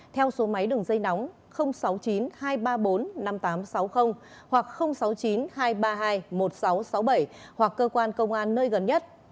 theo số máy đường dây nóng sáu mươi chín hai trăm ba mươi bốn năm nghìn tám trăm sáu mươi hoặc sáu mươi chín hai trăm ba mươi hai một nghìn sáu trăm sáu mươi bảy hoặc cơ quan công an nơi gần nhất